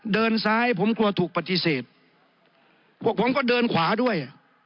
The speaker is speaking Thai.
เดินซ้ายผมกลัวถูกปฏิเสธพวกผมก็เดินขวาด้วย